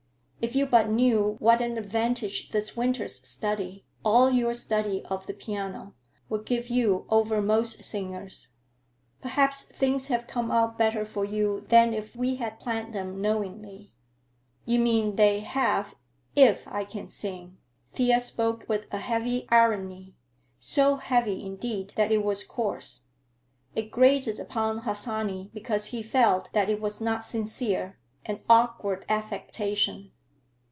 If you but knew what an advantage this winter's study, all your study of the piano, will give you over most singers. Perhaps things have come out better for you than if we had planned them knowingly." "You mean they have if I can sing." Thea spoke with a heavy irony, so heavy, indeed, that it was coarse. It grated upon Harsanyi because he felt that it was not sincere, an awkward affectation.